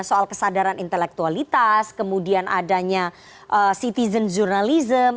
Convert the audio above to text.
soal kesadaran intelektualitas kemudian adanya citizen journalism